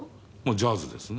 ジャズですね。